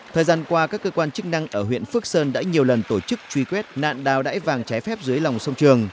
thời gian qua các cơ quan chức năng ở huyện phước sơn đã nhiều lần tổ chức truy quét nạn đào đải vàng trái phép dưới lòng sông trường